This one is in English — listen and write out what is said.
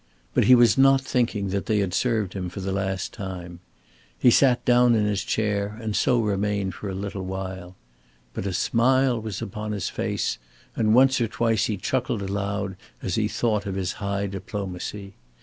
But he was not thinking that they had served him for the last time. He sat down in his chair and so remained for a little while. But a smile was upon his face, and once or twice he chuckled aloud as he thought of his high diplomacy.